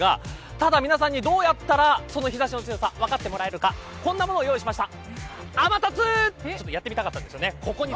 ただ、皆さんにどうやったら日差しの強さを分かってもらえるかこんなもの用意しました。